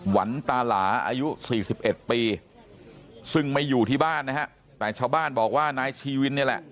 วันตาหลาอายุ๔๑ปีซึ่งไม่อยู่ที่บ้านนะฮะแต่ชาวบ้านบอกว่านายชีวินเนี่ยแหละ